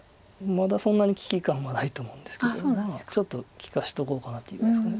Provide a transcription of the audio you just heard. まあまだそんなに危機感はないと思うんですけどちょっと利かしとこうかなというんですか。